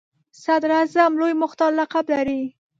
صدراعظم لوی مختار لقب لري.